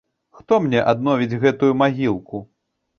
Хто мне адновіць гэтую магілку?